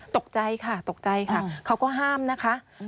ตกใจค่ะเขาก็ห้ามนะคะ